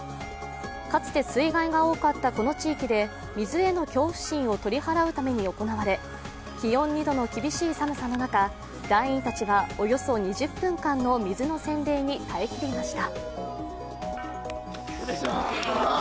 かつて水害が多かったこの地域で水への恐怖心を取り払うために行われ、気温２度の厳しい寒さの中団員たちはおよそ２０分間の水の洗礼に耐えきりました。